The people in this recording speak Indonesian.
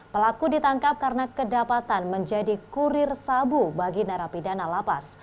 pelaku ditangkap karena kedapatan menjadi kurir sabu bagi narapidana lapas